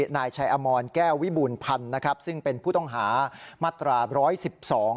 นายชัยอมรแก้ววิบูรณพันธ์นะครับซึ่งเป็นผู้ต้องหามาตราร้อยสิบสอง